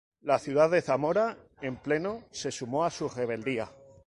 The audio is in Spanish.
La ciudad de Zamora en pleno se sumó a su rebeldía.